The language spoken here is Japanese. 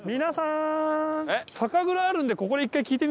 酒蔵あるんでここで１回聞いてみます？